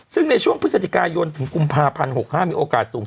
ซึ่งในช่วงพฤศจิกายนถึงกุมภาพันธ์๖๕มีโอกาสสูง